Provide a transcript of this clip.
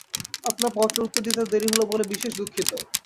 আপনার পত্রের উত্তর দিতে এত দেরী হল বলে বিশেষ দুঃখিত।